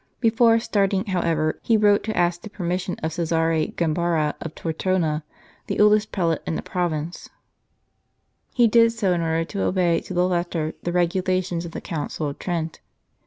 Before starting, however, he wrote to ask the permission of Cesare Gambara of Tortona, the oldest prelate in the province. He did so in order to obey to the letter the regulations of the Council of Trent.